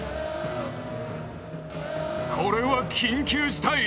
これは緊急事態！